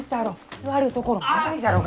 座るところもないじゃろうが！